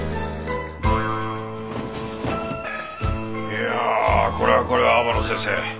いやこれはこれは天野先生。